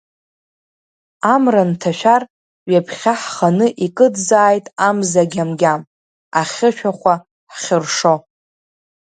Амра нҭашәар, ҩаԥхьа ҳханы икыдзааит амза гьамгьам, ахьы шәахәа ҳхьыршо…